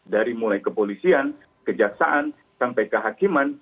dari mulai kepolisian kejaksaan sampai kehakiman